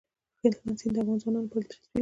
هلمند سیند د افغان ځوانانو لپاره دلچسپي لري.